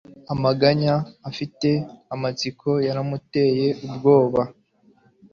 Amaganya afite amatsiko yaramuteye ubwoba